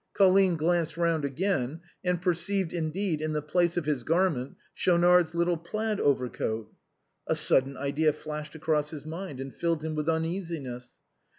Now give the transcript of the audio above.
Colline glanced round again, and perceived indeed in the THE HOUSE WARMING. 161 place of his garment Schaunard's little plaid overcoat. A sudden idea flashed across his mind and filled him with uneasiness.